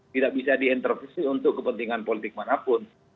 tidak bisa diintervensi untuk kepentingan politik manapun